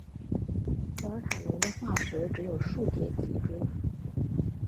普尔塔龙的化石只有数节脊椎。